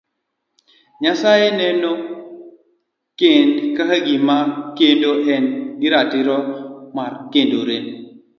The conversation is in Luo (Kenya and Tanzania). Nyasaye neno kend kaka gima ler kendo en gi ratiro mar kendore.